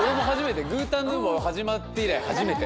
「グータンヌーボ」始まって以来初めて。